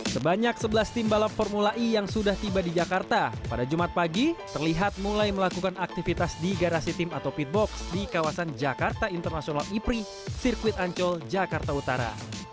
sebanyak sebelas tim balap formula e yang sudah tiba di jakarta pada jumat pagi terlihat mulai melakukan aktivitas di garasi tim atau pitbox di kawasan jakarta international ipri sirkuit ancol jakarta utara